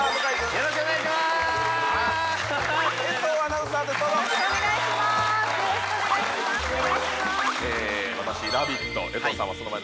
よろしくお願いしますえ